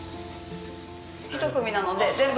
１組なので全部。